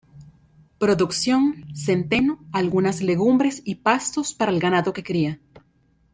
Producción: centeno, algunas legumbres y pastos para el ganado que cria.